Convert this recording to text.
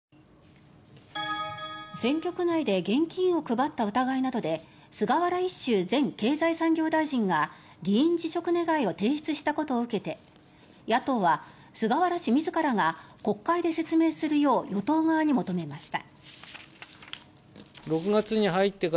選挙区内で現金を配った疑いなどで菅原一秀元経済産業大臣が議員辞職願を提出したことを受けて野党は菅原氏自らが国会で説明するよう与党側に求めました。